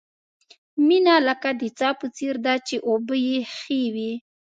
مینه لکه د څاه په څېر ده، چې اوبه یې ښې وي.